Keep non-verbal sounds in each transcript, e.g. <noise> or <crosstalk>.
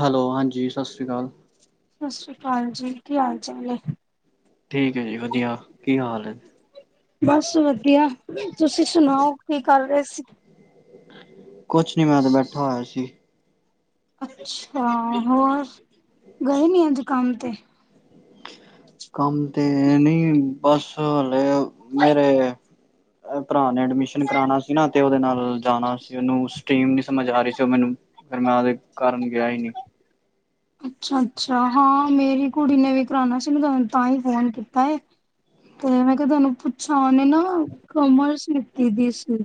Hello ਹਾਂਜੀ ਸਤਿ ਸ਼੍ਰੀ ਅਕਾਲ। ਸਤਿ ਸ਼੍ਰੀ ਅਕਾਲ ਜੀ ਕੀ ਹਾਲ ਚਾਲ ਹੈ। ਠੀਕ ਹੈ ਜੀ ਵਧੀਆ ਕੀ ਹਾਲ ਹੈ। ਬਸ ਵਧੀਆ ਤੁਸੀਂ ਸੁਣਾਓ ਕੀ ਕਰ ਰਹੇ ਸੀ ਕੁਛ ਨੀ ਮੈਂ ਤੇ ਬੈਠਾ ਹੋਇਆ ਸੀ ਅੱਛਾ ਹੋਰ ਗਏ ਨੀ ਅੱਜ ਕੰਮ ਤੇ ਕੰਮ ਤੇ ਨਹੀਂ ਬਸ ਹਾਲ ਮੇਰੇ ਭਰਾ ਨੇ ਅਡਮਿਸ਼ਨ ਕਰਾਣਾ ਸੀ ਨਾ ਤੇ ਓਦੇ ਨਾਲ ਜਾਣਾ ਸੀ ਓਨੂੰ ਸਟੀਮ ਨੀ ਸਮਝ ਆ ਰਹੀ ਸੀ ਮੈਨੂੰ ਫਿਰ ਮੈਂ ਉਹ ਕਾਰਨ ਗਿਆ ਹੀ ਨ ਅੱਛਾ ਅੱਛਾ ਹਾਂ ਮੇਰੀ ਕੁੜੀ ਨੇ ਵੀ ਕਰਾਣਾ ਸੀ ਮੈਂ ਤਾਂਨੂੰ ਤਾਂਹੀ ਫੋਨ ਕੀਤਾ ਹੈ ਤੇ ਮੈਂ ਕਿਹਾ ਤੁਹਾਨੂੰ ਪੁੱਛਾ ਨੇ ਨਾ ਕਮਰਸ ਲਿਤੀ ਦੀ ਸੀ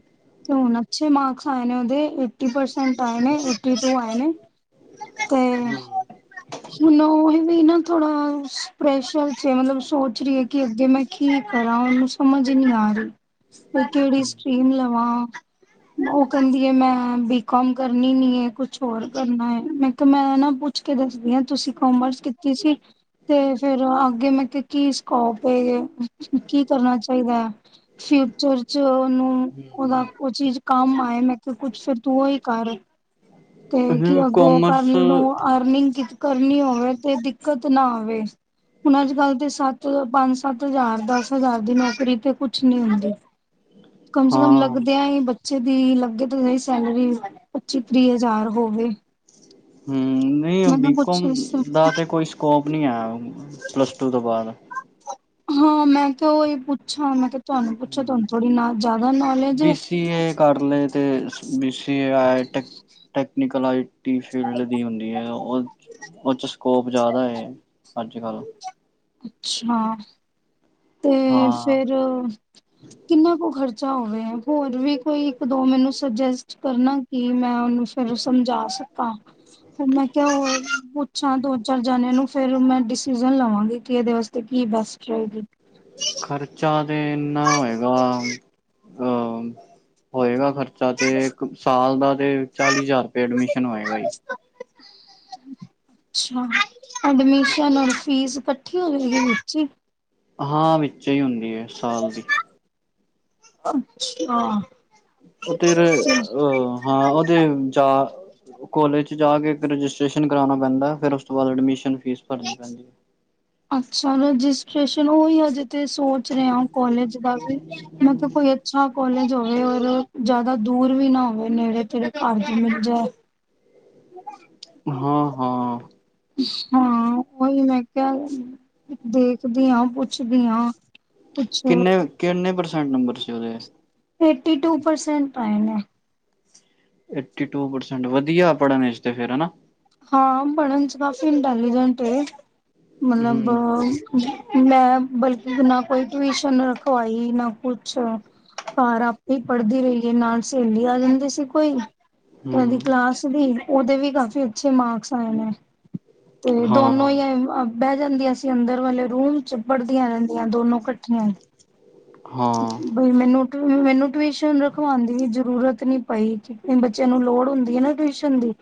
ਤੇ ਹੁ ਅਛੇ ਮਾਰਕਸ ਆਏ ਨੇ ਏਟੀ ਪਰਸੈਂਟ ਆਏ ਨੇ ਉਹ ਆਏ ਨੇ ਤੇ ਹੁਣ ਹੀ ਵੀ ਨਾ ਥੋੜਾ ਪ੍ਰੈੱਸ਼ੁਰ ਚ ਮਤਲਬ ਸੋਚ ਰਹੀ ਹੈ ਕਿ ਅੱਗੇ ਮੈਂ ਕੀ ਕਰਾਂ ਨੂੰ ਸਮਝ ਨੀ ਆ ਰਹੀ ਕਿਹੜੀ ਸ੍ਟੀਮ ਲਵਾ ਉਹ ਕਹਿੰਦੀ ਹੈ ਮੈਂ ਬੀਕਮ ਕਰਨੀ ਨੀ ਹੈ ਕੁਛ ਹੋਰ ਕਰਨਾ ਹੈ ਮੈਂ ਕਿਹਾ ਮੈਂ ਨਾ ਪੁ ਕੇ ਦੱਸਦੀ ਹ ਤੁਸੀਂ ਕੋਮਰਸ ਕੀਤੀ ਸੀ ਤੇ ਫੇਰ ਅੱਗੇ ਮੈ ਕੀ ਸਕੋਪ ਕੀ ਕਰਨਾ ਚਾਹੀਦਾ ਹੈ ਫਿਊਚਰ ਚ ਉਹਓਨੂੰ ਓਦਾ ਉਹ ਚੀਜ਼ ਕੰਮ ਆਏ ਮੈਂ ਕੁਛ ਫਰ ਤੂੰ ਹੀ ਕਰ ਤੇ ਕੀ ਹਮ ਅਗੋ ਕੋਮਰਸ ਕਰਨ ਨੂੰ ਅਰਨਿੰਗ ਕਰਨੀ ਹੋਵੇ ਤੇ ਦਿੱਕਤ ਨਾ ਆਵੇ ਹੁਣ ਅੱਜ ਕੱਲ ਤੇ ਸੱਤ ਪੰਜ ਸੱਤ ਹਜ਼ਾਰ ਦਸ ਹਜ਼ਾਰ ਦੀ ਨੌਕਰੀ ਤੇ ਕੁਛ ਨੀ ਹੁੰਦੀ ਕਮ ਸੇ ਕਮ ਹਾਂ ਹਮ ਲੱਗਦੇਿਆਂ ਹੀ ਬੇ ਬੱਚੇ ਦੀ ਲੱਗੇ ਤਾਂ ਸੈਲਰੀ ਪੱਚੀ ਤੀਹ ਜ਼ਾਰ ਹੋਵੇ ਹਮ ਨਹੀਂ ਮੈਂ ਕਿਹਾ ਕੁਛ ਬੀਕੋਮ ਇਸ ਦਾ ਤੇ ਕੋਈ ਸਕੋਪ ਨੀ ਹੈ ਪਲੱਸ ਟੂ ਤੋਂ ਬਾਅਦ ਹਾਂ ਮੈਂ ਕਿਹਾ ਉਹੀ ਪੁੱਛਾਂ ਮੈਂ ਕਿਹਾ ਤੁਹਾਨੂੰ ਪੁੱਛੋ ਹਮ ਤੁਹਾਨੂੰ ਥੋੜ੍ਹੀ ਨਾ ਜ਼ਿਆਦਾ ਨੌਲੇਜ ਹੈ ਅਤੇ B C A I ਟਕ technical IT field ਦੀ ਹੁੰਦੀ ਹੈ ਉਹ ਉਹ 'ਚ ਸਕੋਪ ਜ਼ਿਆਦਾ ਅੱਜ ਕੱਲ੍ਹ <inaudible> ਅੱਛਾ ਤੇ ਹਾਂ ਫੇਿਰ ਕਿੰਨਾ ਕੁ ਖਰਚਾ ਅਾ ਹੋਵੇ ਹੋਰ ਵੀ ਕੋਈ ਇੱਕ ਦੋ ਮੈਨੂੰ ਸੁਜੈਸਟ ਕਰਨਾ ਕਿ ਮੈਂ ਉਹਨੂੰ ਫਿਰ ਸਮਝਾ ਸਕਾਂ ਫ ਮੈਂ ਕਿਹਾ ਹੋ ਪੁੱਛਾਂ ਦੋ ਚਾਰ ਜਣੇਿਆਂ ਨੂੰ ਫੇਿਰ ਮੈਂ ਡਿਸੀਜ਼ਨ ਲਵਾਂਗੀ ਕਿ ਇਹਦੇ ਵਾਸਤੇ ਕੀ ਬੈਸਟ ਰਹੇਗੀ ਖਰਚਾ ਤੇ ਇਨਾ ਹੋਏਗਾ ਅ ਹੋਏਗਾ ਖਰਚਾ ਤੇ ਇੱਕ ਸਾਲ ਦਾ ਤੇ ਚਾਲੀ ਹਜ਼ਾਰ ਰੁਪਏ ਐਡਮਿਸ਼ਨ ਹੋਏਗਾ ਜ ਅੱਛਾ ਐਡਮਿਸ਼ਨ ਰ ਫੀਸ ਇਕੱਠੀ ਹੋਵੇਗੀੀ ਹਾਂ ਵਿੱਚ ਹੀ ਹੁੰਦੀ ਹੈ ਸਾਲ ਦੀ ਅੱਛਾ ਿਰ ਅ ਹਾਂ ਉਹਦੇ ਜਾ ਕੋਲੇਜ ਚ ਜਾ ਕੇ ਰਜਿਸਟ੍ਰੇਸ਼ਨ ਕਰਾਉਣਾ ਪੈਂਦਾ ਫਿਰ ਉਸ ਤੋਂ ਬਾਅਦ ਐਡਮਿਸ਼ਨ ਫੀਸ ਭਰਨੀ ਪੈਂਦੀ ਹੈ ਰਜਿਸਟ੍ਰਸ਼ਨ ਉਹੀ ਹਜੇ ਸੋਚ ਰਿਹਾ ਹੋ ਕਾਲਜ ਦਾ ਵੀ ਮਤਲਬ ਕੋਈ ਅੱਛਾ ਕੋਾਲਜ ਜਾਵੇ ਔਰ ਜ਼ਿਆਦਾ ਦੂਰ ਵੀ ਨਾ ਹੋਵੇ ਨੇੜੇ ਤੇੜੇ ਘਰ ਦੀ ਮਿਲ ਜਾਏ ਹਾਂ ਹਾਂ ਹਾਂ ਉਹੀ ਮੈਂ ਕਿਹਾ ਦੇਖਦੀ ਹਾਂ ਪੁੱਛਦੀ ਹਾਂ ਕੁਛ ਕਿੰਨੇ ਕਿੰਨੇ ਠ ਨੰਬਰ ਸੀ ਉਹਦੇ ਏਟੀ ਟੂ ਪਰਸੈਂਟ ਪੈ ਨੇ ਏ ਟ ਪਰਸੈਂਟ ਵਧੀਆ ਪੜ੍ਹਨ ਵਿੱਚ ਤੇ ਫਿਰ ਹਨਾ ਹਾਂ ਬਨ ਚ ਕਾਫੀ ਇੰਟੈਲੀਿਜੈਂਟ ਹੈ ਹੂੰ ਮਤਲਬ ਮੈਂ ਬਲਕਿ ਨਾ ਕੋਈ ਟਿਊਸ਼ਨ ਰਖਵਾਈ ਨਾ ਕੁਛ ਘਰ ਆਪੇ ਪੜ੍ਹਦੀ ਰਹੀਏ ਨਾਲ ਸਹੇਲੀ ਆ ਜਾਂਦੀ ਸੀ ਕੋਈ ਕਦੀ ਹੂੰ ਕਲਾਸ ਦੀ ਉਹਦੇ ਵੀ ਕਾਫੀ। ਅੱਛੇ ਮਾਰਕਸ ਆਏ ਨੇ। ਤੇ ਹਾਂ ਦੋਨੋ ਹੀ ਬਹਿ ਜਾਂਦੀਆਂ ਸੀ ਅੰਦਰ ਵਾਲੇ ਰੂਮ ਚ ਪੜਦੀਆਂ ਰਹਿੰਦੀਆਂ ਦੋਨੋ ਕੱਠੀਆਂ। ਹਾਂ ਮੈਨੂੰ ਟਿਊਸ਼ਨ ਰਖਵਾਉਣ ਦੀ ਜ਼ਰੂਰਤ ਨੀ ਪਈ ਕਿ ਬੱਚਿਆਂ ਨੂੰ ਲੋੜ ਹੁੰਦੀ ਹੈ ਨਾ ਟਿਊਸ਼ਨ ਦੀ।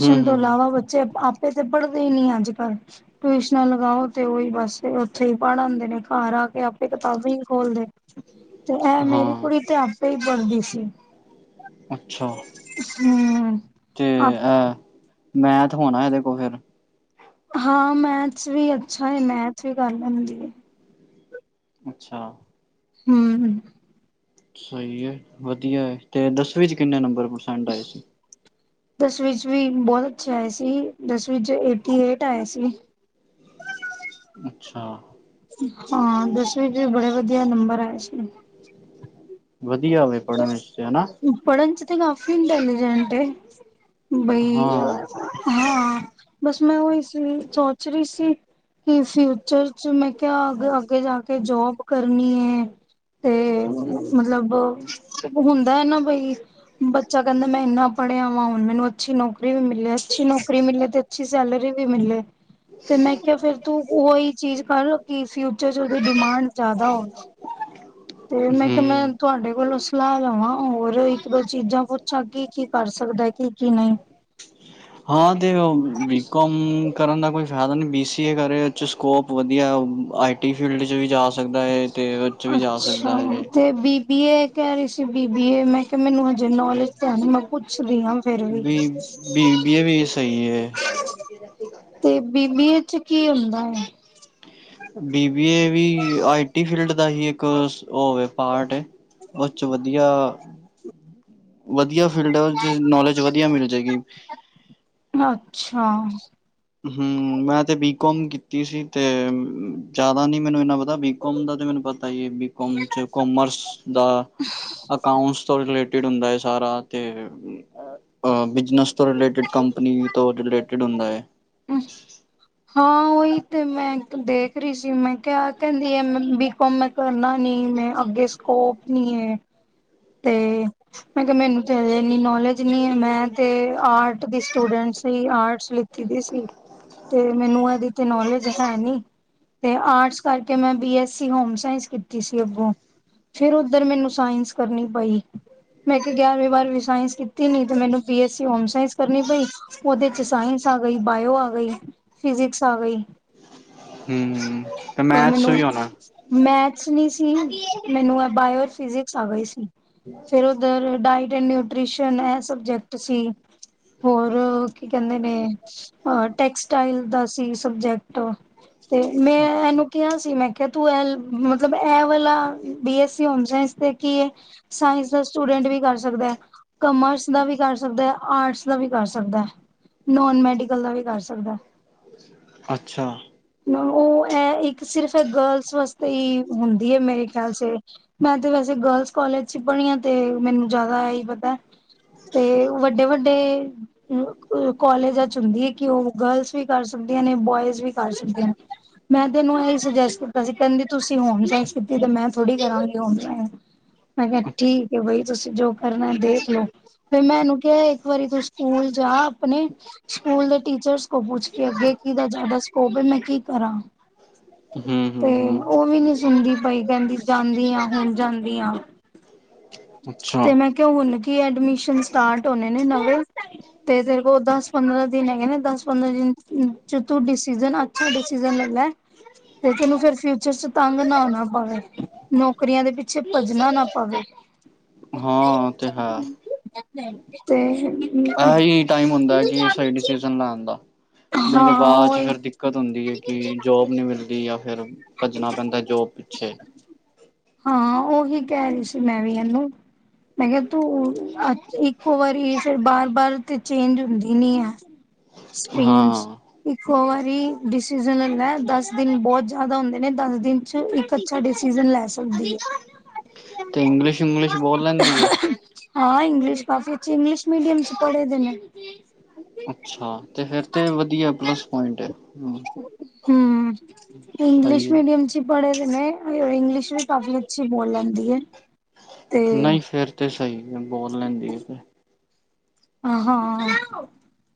ਹੂੰ ਤੋਂ ਹੂੰ ਹੂੰ ਇਲਾਵਾ ਬੱਚੇ ਆਪੇ ਤੇ ਪੜ ਨੀ ਅੱਜ ਕੱਲ ਟਿਊਸ਼ਨਾਂ ਲਗਾਓ ਤੇ ਉਹੀ ਬਸ ਉੱਥੇ ਹੀ ਪੜ੍ਹ ਆਦੇ ਨੇ ਘਰ ਆ ਕੇ ਆਪੇ ਕਿਤਾਬਾ ਨਹੀਂ ਤੇ ਐ ਮੇਰੀ ਹਾਂ ਕੁੜੀ ਤੇ ਆਪੇ ਬਣਦੀ ਸੀ ਅੱਛਾ ਤੇ ਹਮ ਅੇਹ ਮੈਥ ਹੋਣਾ ਇਹਦੇ ਕੋਲ ਫਿਰ? ਹਾਂ ਮੈਥਸ ਵੀ ਅੱਛਾ ਹੈ ਮੈਥ ਵੀ ਕਰ ਲੈਂਦੀ ਹੈ। ਅੱਛਾ ਹੂੰ ਸਹੀ ਹੈ ਵਧੀਆ ਹੈ ਤੇ ਦਸਵੀਂ ਚ ਕਿੰਨੇ ਨੰਬਰ? ਪਰਸੈਂਟ ਆਏ ਸੀ? ਦਸਵੀਂ ਚ ਵੀ ਬਹੁਤ ਅੱਛੇ ਆਏ ਸੀ ਦਸਵੀ ਚ ਇਟੀਏਟ ਆਏ ਸੀ। ਅੱਛਾ ਹਾਂ ਦਸਵੀਂ ਚ ਵੀ ਬੜੇ ਵਧੀਆ ਨੰਬਰ ਆਏ ਸੀ । ਵਧੀਆ ਵਧੀਆ ਪੜਨ ਚ ਹੈ ਨਾ। ਪੜ੍ਹਨ ਚ ਤੇ ਕਾਫੀ ਇੰਟੈਲੀਜੈਂਟ ਹੈ। ਬਈ ਹਾਂ ਹਾਂ ਬਸ ਮੈਂ ਉਹਈ ਸੀ ਸੋਚਰੀ ਸੀ। ਕੀ ਫਿਊਚਰ ਚ ਮੈਂ। ਕਿਆ ਅੱਗੇ ਜਾ ਕੇ ਜੋਬ ਕਰਨੀ ਹੈ । ਹੂੰ ਤੇ ਮਤਲਬ ਹੁੰਦਾ ਹੈ ਨਾ ਬਈ ਬੱਚਾ ਕਹਿੰਦਾ ਮੈਂ ਇੰਨਾ ਪੜ੍ਹਿਆ ਵਾਂ ਹੁਣ ਮੈਨੂੰ ਅੱਛੀ ਨੌਕਰੀ ਨੋਕਰੀ ਵੀ ਮਿਲੇ ਅੱਛੀ ਨੌਕਰੀ ਮਿਲੇ ਤੇ ਅੱਛੀ ਸੈਲਰੀ ਵੀ ਮਿਲੇ ਤੇ ਮੈਂ ਕਿਹਾ ਫੇਰ ਤੂੰ ਓਹੀ ਚੀਜ਼ ਕਰ ਕਿ ਫਿਊਚਰ ਚ ਉਹਦੀ ਡਿਮਾਂਡ ਜ਼ਿਆਦਾ ਹੋਵੇ। ਤੇ ਮੈਂ ਕਿਹਾ ਹੂੰ ਮੈਂ ਤੁਹਾਡੇ ਕੋਲੋਂ ਲਾ ਲਵਾਂ ਹੋਰ ਇੱਕ ਦੋ ਚੀਜ਼ਾਂ ਪੁੱਛਾਂ ਕੀ ਕੀ ਕਰ ਸਕਦਾ ਕੀ ਕੀ ਨਹੀਂ। ਹਾਂ ਤੇ ਉਹ ਬੀ ਕੋਮ ਕਰਨ ਦਾ ਕੋਈ ਫਾਇਦਾ ਨਹੀਂ। ਬੀ ਸੀ ਏ ਕਰ ਰਹੇ ਇਸ 'ਚ ਸਕੋਪ ਵਧੀਆ, ਆਈ ਟੀ ਫੀਲਡ 'ਚ ਵੀ ਜਾ ਸਕ ਹੈ ਤੇ ਵਿੱਚ ਵੀ ਜਾ ਅੱਛਾ ਸਕਦਾ ਹੈ। ਤੇ ਬੀ ਬੀ ਏ ਕਹਿ ਰਹੀ ਸੀ, ਬੀ ਬੀ ਏ, ਮੈਂ ਕਿਹਾ ਮੈਨੂੰ ਜੇ ਨੌਲੇਜ ਤਾਂ ਹੈ ਕੁਛ। ਭੁੱਲੀ ਆ ਮੈਂ ਫੇਰ ਵੀ, ਬੀ ਬੀਬੀਏ ਵੀ ਸਹੀ ਹੈ ਤੇ ਬੀਬੀਏ ਉਚ ਕੀ ਹੁੰਦਾ ਹੈ? ਬੀ ਬੀ ਏ ਵੀ ਆਈ ਟੀ ਫੀਲਡ ਦਾ ਹੀ ਇੱਕ ਉਹ ਪਾਰਟ ਏ, ਉਸ 'ਚ ਵਧੀਆ ਵਧੀਆ ਫੀਲਡਾ 'ਚ ਨੌਲੇਜ ਵਧੀਆ ਮਿਲ ਜਾਏਗੀ। ਅੱਛਾ ਹਮ ਮੈਂ ਤੇ ਬੀ ਕਾਮ ਕੀਤੀ ਸੀ, ਤੇ ਜਿਆਦਾ ਨੀ ਮੈਨੂੰ ਇਨਾ ਬੀ ਕਾਮ ਦਾ ਤੇ ਮੈਨੂੰ ਪਤਾ ਈ ਹੈ, ਬੀ ਕਾਮ 'ਚ ਕੋਮਰਸ ਦਾ, ਅਕਾਉਂਟਸ ਤੋਂ ਰਿਲੇਟ ਟਰੇਡ ਹੁੰਦਾ ਹੈ। ਸਾਰਾ ਤੇ ਬਿਜਨਸ ਤੋਂ ਰਿਲੇਟਿਡ, ਕੰਪਨੀ ਤੋਂ ਰਿਲੇਟਿਡ ਹੁੰਦਾ ਹੈ। ਹਾਂ ਉਹੀ ਤੇ ਮੈਂ ਦੇਖ ਰਹੀ ਸੀ, ਮੈਂ ਕਿਹਾ ਕਹਿੰਦੀ ਆ ਬੀ ਕਾਮ ਮੈਂ ਕਰਨਾ ਨੀ, ਮੈਂ ਅੱਗੇ ਸਕੋਪ ਨੀ ਹੈ। ਤੇ ਮੈਂ ਕਿਹਾ ਮੈਨੂੰ ਤੇ ਇਨੀ ਨੌਲੇਜ ਨੀ ਏ, ਮੈਂ ਤੇ ਆਰਟ ਦੀ ਸਟੂਡੈਂਟ ਸੀ, ਆਰਟਸ ਲਿਤੀ ਦੀ ਸੀ ਤੇ ਮੈਨੂੰ ਇਹਦੀ ਤੇ ਨੋਲੇਜ ਹੈ ਨੀ, ਤੇ ਆਰਟਸ ਕਰਕੇ ਮੈਂ B S C home science ਕੀਤੀ ਸੀ, ਅੱਗੋਂ ਫਿਰ ਉਧਰ ਮੈਨੂੰ ਸਾਇਸ ਕਰਨੀ ਪਈ ਮੈਂ ਕਿਹਾ ਗਿਆਰਵੀਂ ਬਾਰਵੀਂ ਸਾਇੰਸ ਕੀਤੀ ਨੀ ਤੇ ਮੈਨੂੰ B S C home science ਕਰਨੀ ਪਈ, ਉਹਦੇ 'ਚ ਸਾਇੰਸ ਆ ਗਈ, ਬਾਇਓ ਆ ਗਈ, ਫਿਜਿਕਸ ਆ ਗਈ। ਹਮ ਤੇ ਮੈਚ 'ਚ ਹੀ ਹੋਣਾ। ਨਹੀ ਸੀ ਮੈਨੂੰ ਬਾਇਓ ਫਿਜਿਕਸ ਆ ਗਈ ਸੀ। ਫੇਰ ਉਧਰ ਡਾਇਟ ਤੇ ਨਿਊਟ੍ਰਿਸ਼ਨ ਇਹ ਸਬਜੈਕਟ ਸੀ, ਹੋਰ ਕੀ ਕਹਿੰਦੇ ਨੇ, ਟੈਕਸਟਾਈਲ ਦਾ ਸੀ ਸਬਜੈਕਟ। ਤੇ ਮੈਂ ਅੱਛਾ ਇਹਨੂੰ ਕਿਹਾ ਸੀ ਮੈਂ। ਕ ਤੂੰ ਏਹ ਮਤਲਬ ਇਹ ਵਾਲਾ B S C home science ਦੇ ਕੀ ਹੈ। ਸਾਇੰਸ ਦਾ ਸਟੂਡੈਂਟ ਵੀ ਕਰ ਸਕਦਾ ਹੈ। ਕਮਰਸ ਦਾ ਵੀ ਕਰ ਸਕਦੇ ਆ। ਆਰਟਸ ਦਾ ਵੀ ਕਰ ਸਕਦਾ ਹੈ। ਨੋਨ ਮੈਡੀਕਲ ਦਾ ਵੀ ਕਰ ਸਕਦਾ ਏ। ਅੱਛਾ ਉਹ ਇਹ ਇੱਕ ਸਿਰਫ ਗਰਲਸ ਵਾਸਤੇ ਹੀ ਹੁੰਦੀ ਹੈ, ਮੇਰੇ ਖਿਆਲ ਸੇ ਮੈਂ ਤੇ ਵੈਸੇ ਗਰਲਸ ਕਾਲਜ 'ਚ ਪੜੀ ਏ ਤੇ ਮੈਨੂੰ ਜਿਆਦਾ ਆਹੀ ਪਤਾ, ਤੇ ਵਡੇ ਵਡੇ ਕਾਲਜਾ 'ਚ ਹੁੰਦੀ ਆ ਕਿ ਉਹ ਗਰਲਸ ਵੀ ਕਰ ਸਕਦੀਆ ਨੇਂ, ਬੋਇਸ ਵੀ ਕਰ ਸਕਦੀਆ ਨੇਂ, ਮੈਂ ਤੈਨੂੰ ਏਹੀ ਸੂਜੇਸਟ ਕੀਤਾ ਸੀ, ਕਹਿੰਦੀ ਤੁਸੀਂ ਹੋਮ ਸਾਇੰਸ ਕੀਤੀ, ਮੈਂ ਥੋੜੀ ਕਰਾਂਗੀ ਹੋਮ ਸਾਇੰਸ। ਆਏ ਹੋਏ ਠੀਕ ਹੈ ਬਾਈ। ਤੁਸੀਂ ਜੋ ਕਰਨਾ ਦੇਖਲੋ ਫ਼ਿਰ ਮੈਂ ਇਹਨੂੰ ਕਿਹਾ ਇੱਕ ਵਾਰੀ ਤੂੰ ਸਕੂਲ ਜਾ, ਆਪਣੇ ਸਕੂਲ ਦੇ ਟੀਚਰਸ ਕੋ ਪੁਛ ਕੇ ਅ, ਕਿਦਾ ਜਿਆਦਾ ਸਕੋਪ ਏ, ਮੈਂ ਕੀ ਕਰਾਂ। ਹਮ ਹਮ ਹਮ। ਹੁੰਦੀ ਪਈ ਕਹਿੰਦੀ ਜਾਂਦੀ ਆ, ਹੁਣ ਜਾਂਦੀ ਆ। <inaudible> ਅੱਛਾ ਤੇ ਮੈਂ ਕਿਹਾ ਹੁਣ ਕੀ ਐਡਮਿਸ਼ਨ ਸਟਾਰਟ ਹੋਣੇ ਨੇ ਨਵੇਂ। ਤੇ ਤੇਰੇ ਕੋਲ ਦਸ ਪੰਦਰਾਂ ਦਿਨ ਹੈਗੇ ਨੇ। ਦਸ ਪੰਦਰਾਂ ਦਿਨ ਚ ਤੂੰ ਡਿਸੀਜ਼ਨ ਅੱਛਾ ਡਿਸੀਜਨ ਲੈ ਲੈ ਤੇ ਤੈਨੂੰ ਫਿਰ ਫਿਊਚਰ ਚ ਤੰਗ ਨਾ ਹੋਣਾ ਪਵੇ ਨੌਕਰੀਆਂ ਦੇ ਪਿੱਛੇ ਭੱਜਣਾ ਨਾ ਪਵੇ। ਹਾਂ ਤੇ ਹੈ ਤੇ ਐਹੀ ਟਾਈਮ ਹੁੰਦਾ ਕਿ ਸਹੀ ਡਸੀਜ਼ ਲੈਣ ਦਾ ਨਹੀਂ ਤਾਂ ਹਾਂ ਬਾਅਦ ਚ ਉਹੀ ਫੇਰ ਦਿੱਕਤ ਹੁੰਦੀ ਹੈ ਕਿ ਜੋਬ ਨਹੀਂ ਮਿਲਦੀ। ਆਪ ਫਿਰ ਭੱਜਣਾ ਪੈਂਦਾ ਜੋ ਪਿੱਛੇ। ਹਾਂ ਉਹੀ ਕਹਿ ਰਹੀ ਸੀ ਮੈਂ ਵੀ ਇਹਨੂੰ ਮੈਂ ਕਿਹਾ ਤੂੰ ਇੱਕੋ ਵਾਰੀ ਫਿਰ ਬਾਰ ਪਰਰ ਤੇ ਚੇਂਜ ਹੁੰਦੀ ਨੀ ਹੈ। ਸਟ੍ਰਮਸ ਹਾਂ ਇੱਕ ਹੋਰ ਵੀਹਿਸ। ਸੀਜ਼ਨ ਹੁੰਦਾ ਦਸ ਦਿਨ ਬਹੁਤ ਜ਼ਿਆਦਾ ਹੁੰਦੇ ਨੇ ਦਸ ਦਿਨ ਚ ਇੱਕ ਅੱਛਾ ਡਿਸੀਜ਼ਨ ਲੈ ਸਕਦੀ ਹੈ। ਤੇ ਇੰਗਲਿਸ਼ ਇੰਗਲਿਸ਼ ਬੋਲ ਲੈਂਦੀ ਹੈ ਹਾਂ ਇੰਗਲਿਸ਼ ਕਾਫੀ ਅੱਛੀ ਇੰਗਲਿਸ਼ ਮੀਡੀਅਮ ਚ ਪੜ੍ਹੇ ਦੇ ਨੇ। ਅੱਛਾ ਤੇ ਫਿਰ ਤੇ ਵਧੀਆ ਪਲ ਪੁਇੰਟ ਅਛ। ਹਮ। ਇੰਗਲਿਸ਼ ਸਹੀ ਹੈ ਮੀਡੀਅਮ ਚ। ਪੜ੍ਹੇ ਦੇ ਨੇ ਇੰਗਲਿਸ਼ ਵੀ ਕਾਫੀ ਅੱਛੀ ਬੋਲ ਲੈਂਦੀ ਹੈ। ਤੇ ਨਹੀਂ ਫੇਰ ਤੇ ਸਹੀ ਬੋਲ ਲੈਂਦੀ ਆ ਤੇ ਹਾਂ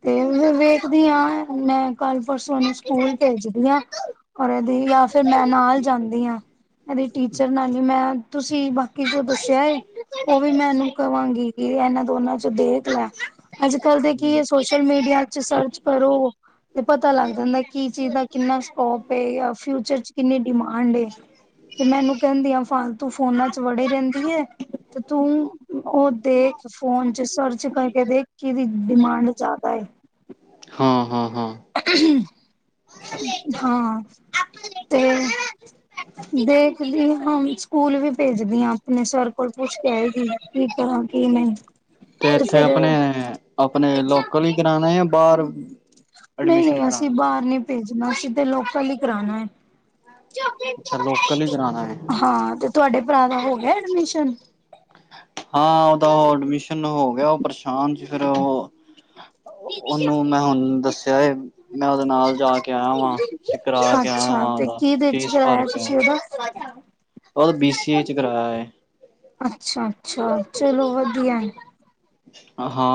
ਤੇ ਫ ਵੇਖਦੀ ਹਾਂ ਮੈਂ ਕੱਲ ਪਰਸੋਂਨੂੰ ਸਕੂਲ ਭੇਜਦੀ ਹਾਂ ਔਰ ਜਾਂ ਫਿਰ ਮੈਂ ਨਾਲ ਜਾਂਦੀ। ਧਆਂ ਇਹਦੇ ਟੀਚਰ ਨਾਲ ਜ ਮੈਂ ਤੁਸੀਂ ਬਾਕੀ ਜੋ ਦੱਸਿਆ ਹੈ ਉਹ ਵੀ ਮੈਂਨੂੰ ਕਵਾਂਗੀ ਕਿ ਇਹਨਾਂ ਦੋਨਾਂ ਚ ਦੇਖ ਲੈ। ਅੱਜ ਕੱਲ੍ਹ ਦੇ ਕੀ ਹੈ ਹੂੰ। ਸੋਸ਼ਲ ਮੀਡੀਆ ਚ ਸਰਚ ਕਰੋ ਤੇ ਪਤਾ ਲੱਗ ਜਾਂਦਾ ਕੀ ਚੀਜ਼ ਦਾ ਕਿੰਨਾ ਸਕੋਪ ਯ ਫਿਊਚਰ ਚ ਕਿੰਨੀ ਡਿਮਾਂਡ ਤੇ ਮੈਨੂੰ ਕਹਿੰਦੀ ਆ ਫਾਲਤੂ ਫੋਨਾ ਚ ਵੜੇ ਰਹਿੰਦੀ ਆ ਤੇ ਤੂੰ ਉਹ ਦੇਖ ਫੋਨ ਚ ਸਰਚ ਕਰ ਕ ਦੇ ਕਿਦੀ ਡਿਮਾਂਡ ਜ਼ਿਆਦਾ। ਹਾਂ ਹਾਂ ਹਾਂ। ਹਾਂ ਤੇ ਦੇਖਦੀ ਹਣ ਸਕੂਲ ਵੀ ਭੇਜਦੀ ਹ। ਆਪਣੇ ਸਰ ਕੋਲ ਪੁੱਛ ਕੇ ਆਏ ਸੀ ਕੀ ਕਰਾਂ ਕੀ ਨਹੀਂ ਤੇ ਇੱਥੇ ਫਿਰ ਆਪਣੇ ਆਪਣੇ ਲੋਕਲ ਹੀ ਕਰਾਣਾ ਜਾਂ ਬਾਹਰ ਨਹੀਂ ਐਡਮਿਸ਼ਨ ਨਹੀਂ ਅਸੀਂ ਕਰਾਣਾ। ਬਾਹਰ ਨੀ। ਭੇਜਣਾ ਸਿਧਾ ਲੋਕਾਂ ਲਈ ਕਰਾਉਣਾ ਹੈ। ਅੱਛਾ ਲੋਕਲ ਹੀ ਕਰਾਣਾ ਹੈ ਹਾਂ ਤੇ ਤੁਹਾਡੇ ਭੱਰਾ ਦਾ ਹੋ ਐਡਮਿੱਸ਼ਨ ਹੱ <unintelligible> ਹਾਂ ਉਹਦਾ ਉਹ ਐਡਮਿਸ਼ਨ ਹੋ ਗਿਆ ਉਹ ਪਰੇਸ਼ਾਂਨ ਤੇ ਫਿਰ ਉਹ, ਉਹਨੂੰ ਮੈਂ ਹੁਣ ਦੱਸਿਆ ਐ। ਮੈਂ ਉਹਦੇ ਨਾਲ ਜਾ ਕੇ ਆਇਆ ਵਾਂ, ਤੇ ਕਰਾ ਕੇ ਆਇਆ ਅੱਛਾ ਵਾਂ ਤੇ ਉਹਦਾ ਕੀ ਰੇਟ ਚ ਫੀਸ ਭਰ ਕਰਾਇਆ ਕੇ ਆਇਆ ਤੁਸੀਂ ਉਹਦਾ, ਉਹ ਬੀ ਸੀ ਏ ਚ ਕਰਾਇਆ ਹੈ। ਅੱਛਾ-ਅੱਛਾ ਚਲੋ ਵਧੀਆ।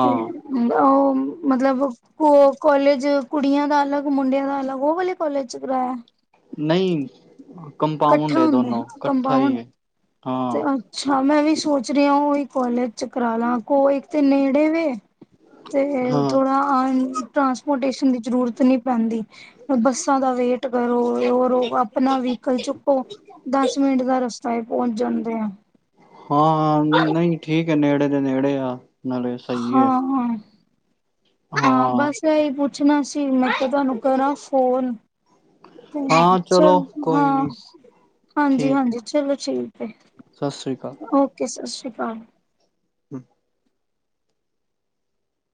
ਤੇ ਉਹ ਮਤਲਬ ਕੋ ਕੋਲਜ ਕੁੜੀਆਂ ਦਾ ਅਲੱਗ ਮੁੰਡਿਆਂ ਦਾ ਅਲੱਗ ਉਹ ਵਾਲੇ ਕੋਲਜ ਚ ਕਰਾਇਆ। ਨਹੀਂ, ਕੰਮਪਾਊਂਡ ਇਕੱਠਾ ਹੈ ਹੁੰਦਾ ਦੋਨੋ ਕੱਠਾ ਹੀ ਕੰਪਾਊਂਡ ਹੈ। ਤੇ ਹਾਂ, ਅੱਛਾ ਮੈਂ ਵੀ ਸੋਚ, ਪੁੱਛ ਰਹੀ ਆ ਉਹੀ ਕੋਾਲਜ ਚ ਕਰਾਲਾ ਇੱਕ ਤੇ ਨੇੜੇ ਵੇ ਤੇ ਹਾਂ। ਥੋੜਾ ਅ ਟਰਾਂਸਪੋਰਟੇਸ਼ਨ ਦੀ ਜ਼ਰੂਰਤ ਨਹੀਂ ਪੈਂਦੀ। ਬੱਸਾਂ ਦਾ ਵੇਟ ਕਰੋ ਰੋ- ਰੋ ਆਪਣਾ ਵੀ ਕੱਲ ਚੁੱਕੋ ਦਸ ਮਿੰਟ ਦਾ ਰਸਤਾ ਹੈ। <unintelligible> ਜਾਂਦੇ ਆ। ਹਾਂ-ਹਾਂ ਨਹੀਂ ਠੀਕ, ਨੇੜੇ ਦੇ ਨੇੜੇ ਆਂ ਹਾਂ-ਹਾਂ, ਹਾਂ ਬੱਸ ਇਹ, ਪੁੱਛਣਾ ਸੀ ਮੈਂ ਕਿਹਾ ਤੁਹਾਨੂੰ ਕਰਾਂ ਫੋਨ ਹਾਂ ਚਲੋ ਚਲ ਕੋਈ ਹਾਂ ਨੀ ਠੀਕ ਹੈ ਹਾਂਜੀ-ਹਾਂਜੀ ਚਲੋ ਠੀਕ ਐ। ਸਤਿ ਸ੍ਰੀ <unintelligible> ਓਕੇ ਸਤਿ ਸ਼੍ਰੀ, <unintelligible> ਹੂੰ,